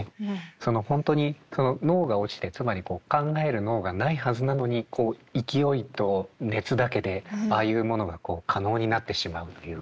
その本当に脳が落ちてつまり考える脳がないはずなのにこう勢いと熱だけでああいうものが可能になってしまうっていうか。